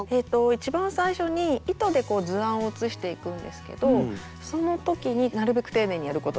一番最初に糸で図案を写していくんですけどその時になるべく丁寧にやることです。